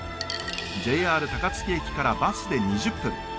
ＪＲ高槻駅からバスで２０分！